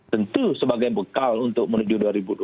tentu sebagai bekal untuk menuju dua ribu dua puluh